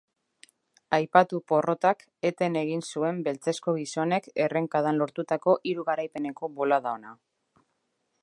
Aipatu porrotak eten egin zuen beltzezko gizonek errenkadan lortutako hiru garaipeneko bolada ona.